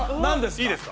いいですか？